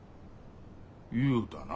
言うたな。